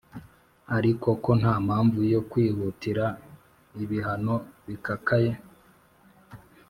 ariko ko nta mpamvu yo kwihutira ibihano bikakaye,